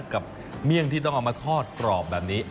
เมี่ยงที่ต้องเอามาทอดกรอบแบบนี้